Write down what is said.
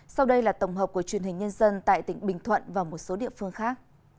sau đây là tổng hợp của truyền hình nhân dân tại tỉnh bình thuận và một số địa phương khác